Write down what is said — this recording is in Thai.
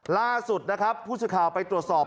ล่าสุดนะครับผู้ชศุดข่าวไปตรวจสร๐๓